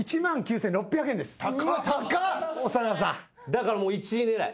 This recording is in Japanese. だからもう１位狙い。